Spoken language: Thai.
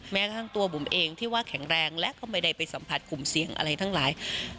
แม้กระทั่งตัวบุ๋มเองที่ว่าแข็งแรงและก็ไม่ได้ไปสัมผัสกลุ่มเสียงอะไรทั้งหลาย